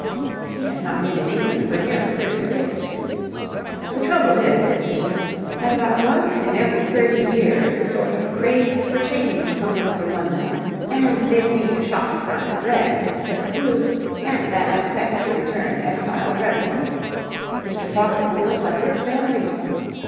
(He has not been in England for nearly thirty years!) The trouble is, it seems, that about once in every thirty years a sort of craze for change comes over London, and they paint a shop front red instead of blue, and that upsets the returned exile dreadfully. Mr. Faucitt feels like Rip Van Winkle.